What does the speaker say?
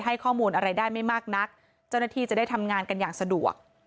ให้ข้อมูลอะไรได้ไม่มากนักเจ้าหน้าที่จะได้ทำงานกันอย่างสะดวก